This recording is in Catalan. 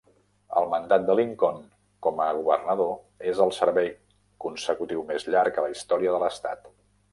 El mandat de Lincoln com a governador és el servei consecutiu més llarg a la història de l'estat.